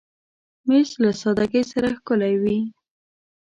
مېز له سادګۍ سره ښکلی وي.